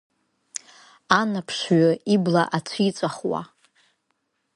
Анаԥшҩы ибла ацәиҵәахуа.